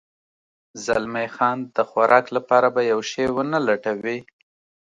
زلمی خان د خوراک لپاره به یو شی و نه لټوې؟